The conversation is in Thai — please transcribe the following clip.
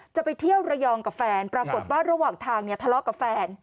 จะไปเที่ยวระยองกับแฟนปรากฏว่าระหว่างทางเนี่ยทะเลาะกับแฟน